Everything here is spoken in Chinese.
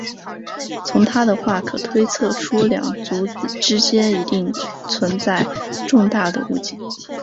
从她的话可推测出两族之间一定存在重大的误解。